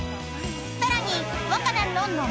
［さらに］